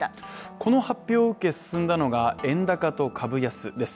この発表を受け進んだのが円高と株安です。